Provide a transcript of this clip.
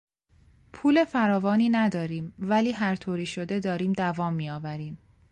پول فراوانی نداریم ولی هر طوری شده داریم دوام میآوریم.